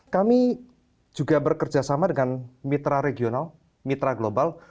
kami juga bekerja sama dengan mitra regional mitra global